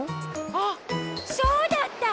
あっそうだった！